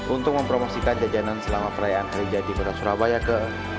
untuk mempromosikan jajanan selama perayaan hari jadi beras surabaya ke empat puluh enam